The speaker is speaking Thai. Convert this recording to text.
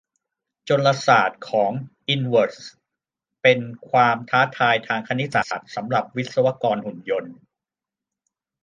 จลนศาสตร์ของอินเวอร์สเป็นความท้าทายทางคณิตศาสตร์สำหรับวิศวกรหุ่นยนต์